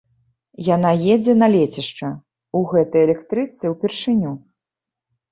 Яна едзе на лецішча, у гэтай электрычцы ўпершыню.